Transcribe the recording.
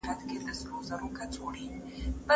امیر دوست محمد خان یو اتل و.